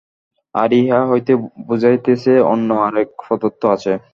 আর ইহা হইতেই বুঝাইতেছে, অন্য আর এক পদার্থ আছে।